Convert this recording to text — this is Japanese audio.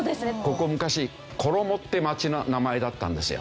ここ昔挙母って町の名前だったんですよ。